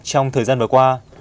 trong thời gian vừa qua